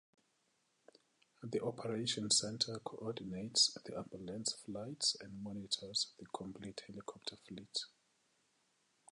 The operation centre coordinates the ambulance flights and monitors the complete helicopter fleet.